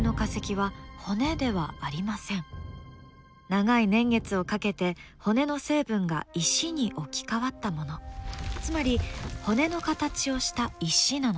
長い年月をかけて骨の成分が石に置き換わったものつまり骨の形をした石なのです。